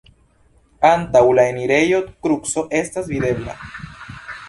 Antaŭ la enirejo kruco estas videbla.